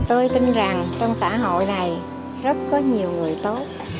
tôi tin rằng trong xã hội này rất có nhiều người tốt